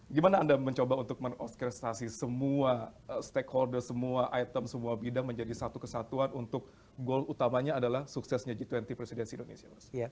gimana anda mencoba untuk menoskrisasi semua stakeholder semua item semua bidang menjadi satu kesatuan untuk goal utamanya adalah suksesnya g dua puluh presidensi indonesia mas